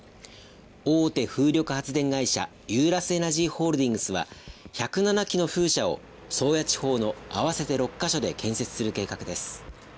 大手風力発電会社ユーラスエナジーホールディングスは１０７基の風車を宗谷地方の合わせて６か所で建設する計画です。